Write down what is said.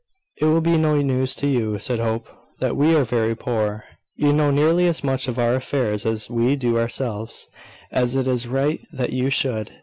"It will be no news to you," said Hope, "that we are very poor. You know nearly as much of our affairs as we do ourselves, as it is right that you should.